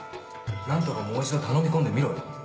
なんとかもう一度頼みこんでみろよ。